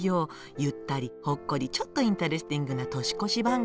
ゆったりほっこりちょっとインタレスティングな年越し番組。